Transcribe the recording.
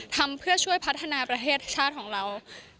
ทำเพื่อช่วยพัฒนาประเทศชาติของเรา